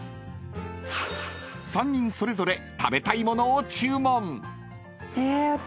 ［３人それぞれ食べたい物を］え私。